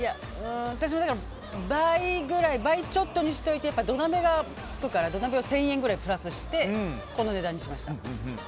私は倍ちょっとにしておいて土鍋がつくから、土鍋で１０００円くらいプラスしてこの値段にしました。